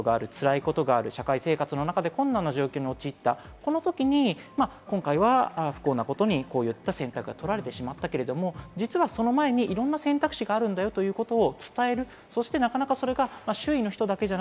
つまり、何か苦しいことがある、つらいことがある社会生活の中で困難な状況に陥ったこのときに今回は不幸なことに、こういった選択が取られてしまったけれども、実はその前にいろんな選択肢があるんだよということを伝える。